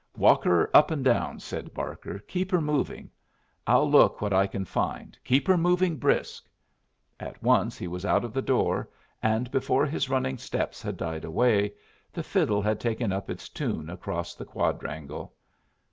"Walk her up and down," said Barker. "Keep her moving. I'll look what I can find. Keep her moving brisk." At once he was out of the door; and before his running steps had died away, the fiddle had taken up its tune across the quadrangle.